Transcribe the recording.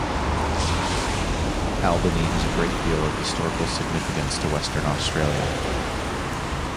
Albany has a great deal of historical significance to Western Australia.